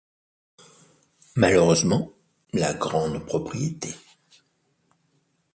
Malheureusement, la grande propriété.